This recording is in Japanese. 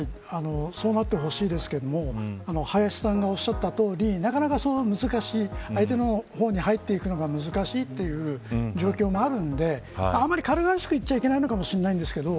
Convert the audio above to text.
そうなってほしいですけど林さんのおっしゃったとおりなかなか難しいっていう相手の方に入っていくのが難しい状況もあるのであまり軽々しく言っちゃいけないと思うんですけど